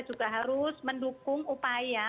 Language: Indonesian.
juga harus mendukung upaya